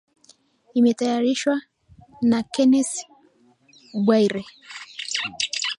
Imetayarishwa na Kennes Bwire